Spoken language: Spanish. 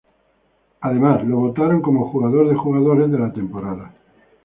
Además, lo votaron como "Jugador de jugadores de la temporada".